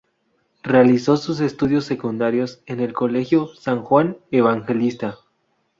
Realizó sus estudios secundarios en el colegio San Juan Evangelista.